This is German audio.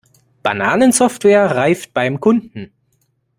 Bananensoftware reift beim Kunden.